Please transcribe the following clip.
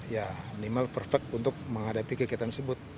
ya minimal perfect untuk menghadapi kegiatan tersebut